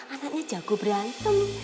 anaknya jago berantem